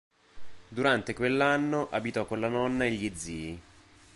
Durante quell’anno abitò con la nonna e gli zii.